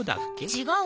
違う！